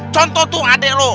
contoh tuh adik lo